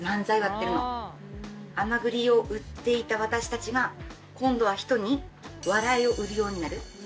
「甘栗を売っていた私たちが今度は人に笑いを売るようになる」